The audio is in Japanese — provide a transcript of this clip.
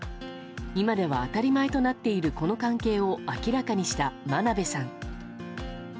今では当たり前となっているこの関係を明らかにした真鍋さん。